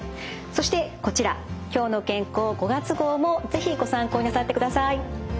そしてこちら「きょうの健康」５月号も是非ご参考になさってください。